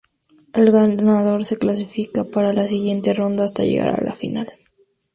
El ganador se clasifica para la siguiente ronda hasta llegar a la final.